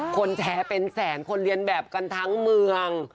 คนแชร์เป็นแสนคนเรียนแบบกันทั้งเมือง